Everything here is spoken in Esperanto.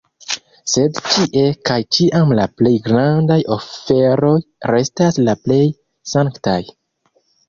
Sed ĉie kaj ĉiam la plej grandaj oferoj restas la plej sanktaj.